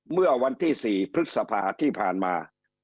เมื่อวันที่๔พฤษภาที่ผ่านมา